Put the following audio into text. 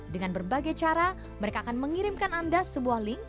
dengan berbagai cara mereka akan mengirimkan anda sebuah link